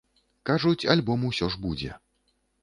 Кажуць, альбом усё ж будзе.